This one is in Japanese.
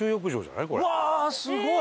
うわすごい！